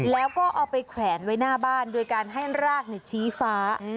แล้วก็เอาไปแขวนไว้หน้าบ้านโดยการให้รากชี้ฟ้า